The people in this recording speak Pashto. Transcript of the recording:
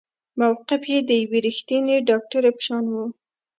موقف يې د يوې رښتينې ډاکټرې په شان وه.